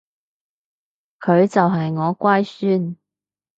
佢就係我乖孫